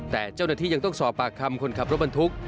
แต่เจ้าหน้าที่ยังต้องสอบปากคำคนขับรถบรรทุก